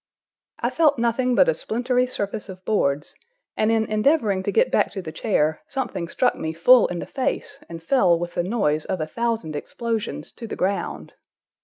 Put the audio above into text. I felt nothing but a splintery surface of boards, and in endeavoring to get back to the chair, something struck me full in the face, and fell with the noise of a thousand explosions to the ground.